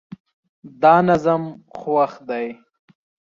دا نظم خوښ دی